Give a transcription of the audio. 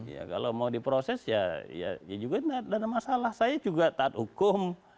ya kalau mau diproses ya juga tidak ada masalah saya juga taat hukum